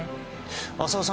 浅尾さん